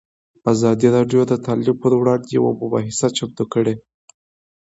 ازادي راډیو د تعلیم پر وړاندې یوه مباحثه چمتو کړې.